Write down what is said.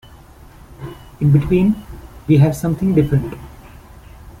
In between we have something different.